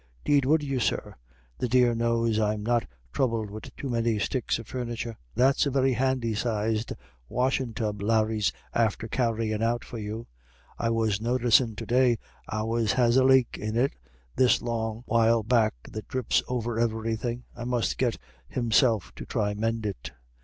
'Deed would you, sir. The dear knows I'm not throubled wid too many sticks of furnitur'. That's a very handy sized washin' tub Larry's after carryin' out for you. I was noticin' to day ours has a lake in it this long while back that dhrips over everythin'. I must get himself to thry mend it."